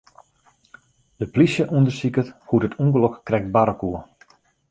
De plysje ûndersiket hoe't it ûngelok krekt barre koe.